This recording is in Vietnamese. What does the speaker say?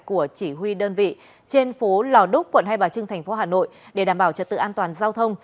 của chỉ huy đơn vị trên phố lò đúc quận hai bà trưng thành phố hà nội để đảm bảo trật tự an toàn giao thông